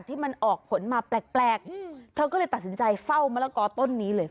ที่มันออกผลมาแปลกเธอก็เลยตัดสินใจเฝ้ามะละกอต้นนี้เลย